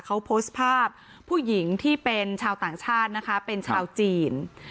เขาโพสต์ภาพผู้หญิงที่เป็นชาวต่างชาตินะคะเป็นชาวจีน